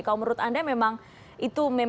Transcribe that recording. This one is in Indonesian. kalau menurut anda memang itu